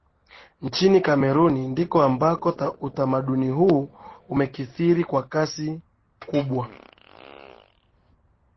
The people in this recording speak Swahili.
Nchini Kameruni ndiko ambako utamaduni huu umekithiri kwa kiasi kikubwa